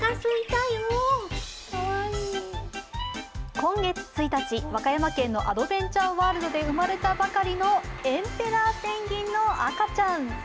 今月１日、和歌山県のアドベンチャーワールドで生まれたばかりのエンペラーペンギンの赤ちゃん。